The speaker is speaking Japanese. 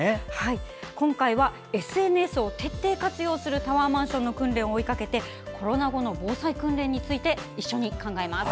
今回は、ＳＮＳを徹底活用するタワーマンションの訓練を追いかけてコロナ後の防災訓練について一緒に考えます。